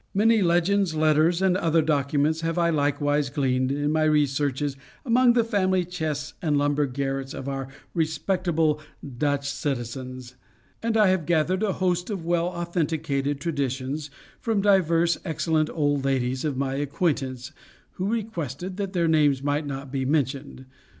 Many legends, letters, and other documents have I likewise gleaned in my researches among the family chests and lumber garrets of our respectable Dutch citizens; and I have gathered a host of well authenticated traditions from divers excellent old ladies of my acquaintance, who requested that their names might not be mentioned.